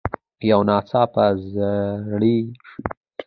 يو ناڅاپه ډزې شوې.